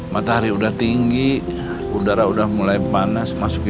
matahari udah tinggi udara udah mulai panas masuk kita